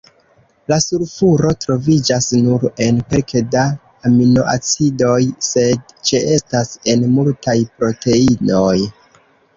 La sulfuro troviĝas nur en kelke da aminoacidoj, sed ĉeestas en multaj proteinoj.